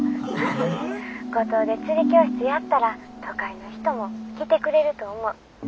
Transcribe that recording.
五島で釣り教室やったら都会の人も来てくれると思う。